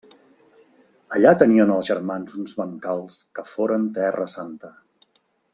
Allà tenien els germans uns bancals que foren terra santa.